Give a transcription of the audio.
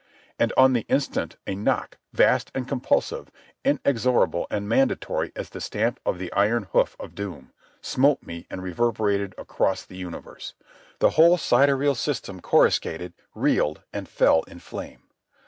And on the instant a knock, vast and compulsive, inexorable and mandatory as the stamp of the iron hoof of doom, smote me and reverberated across the universe. The whole sidereal system coruscated, reeled and fell in flame.